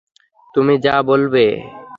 তুমি যা বলবে।